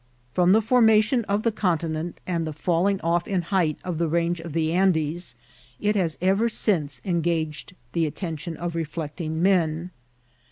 From the formation of the continent and the falling off in height of the range of the AndeS| it has ever since engaged the attention of reflecting men.